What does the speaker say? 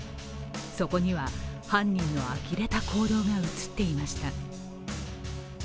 そこには犯人のあきれた行動が映っていました。